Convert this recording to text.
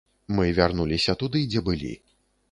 Мы вярнуліся туды, дзе былі.